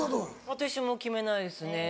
私も決めないですね。